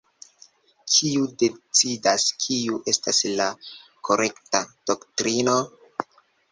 Kiu decidas kiu estas la "korekta" doktrino?